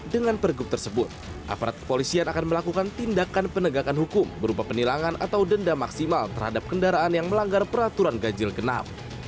dengan pergub tersebut aparat kepolisian akan melakukan tindakan penegakan hukum berupa penilangan atau denda maksimal terhadap kendaraan yang melanggar peraturan ganjil genap